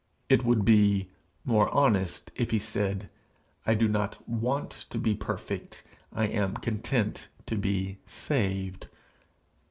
It would be more honest if he said, 'I do not want to be perfect; I am content to be saved.'